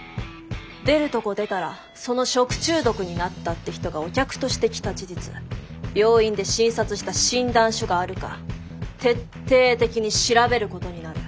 出るとこ出たらその食中毒になったって人がお客として来た事実病院で診察した診断書があるか徹底的に調べることになる。